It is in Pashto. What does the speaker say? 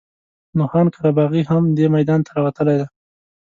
نو خان قره باغي هم دې میدان ته راوتلی دی.